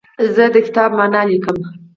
زه د کتاب معنی لیکم.